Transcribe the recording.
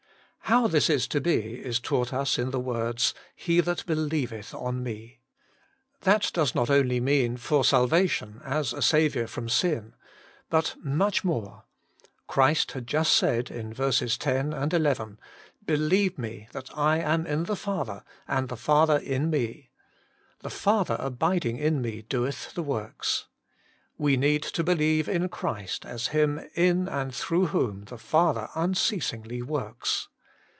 How this is to be. is taught us in the words, * He that believeth on Me.' That 46 Working for God 47 does not only mean, for salvation, as a Saviour from sin. But much more. Christ had just said (vers. 10, 11), 'Believe Me that / am in the Father, and the Father in Me: the Fatlier abiding in Me doeth the works.' We need to believe in Christ as Him in and through whom the Father un ceasingly works.